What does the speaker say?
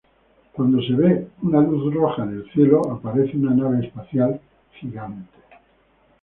Cuando se ve una luz roja en el cielo, aparece una nave espacial gigante.